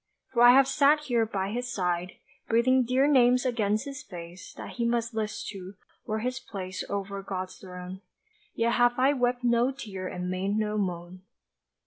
For I have sat here by his side, Breathing dear names against his face, That he must list to, were his place Over God's throne Yet have I wept no tear and made no moan.